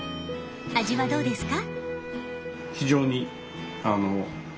味はどうですか？